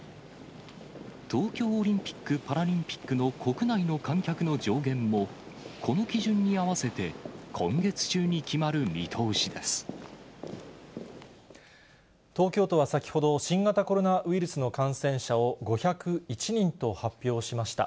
東京オリンピック・パラリンピックの国内の観客の上限も、この基準に合わせて、今月中に決東京都は先ほど、新型コロナウイルスの感染者を５０１人と発表しました。